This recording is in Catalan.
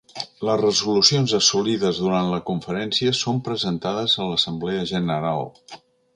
Les resolucions assolides durant la conferència són presentades a l'Assemblea General.